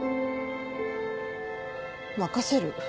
任せる。